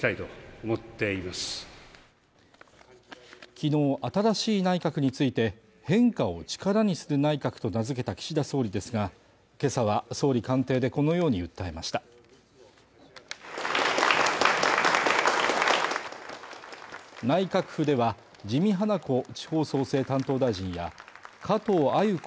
昨日新しい内閣について変化を力にする内閣と名付けた岸田総理ですが今朝は総理官邸でこのように訴えました内閣府では自見はなこ地方創生担当大臣や加藤鮎子